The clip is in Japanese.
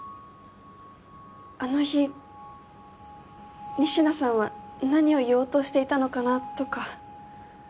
あの日仁科さんは何を言おうとしていたのかなとか。